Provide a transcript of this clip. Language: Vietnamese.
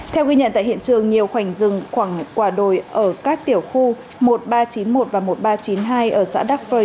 theo ghi nhận tại hiện trường nhiều khoảnh rừng khoảng quả đồi ở các tiểu khu một nghìn ba trăm chín mươi một và một nghìn ba trăm chín mươi hai ở xã đắc phơi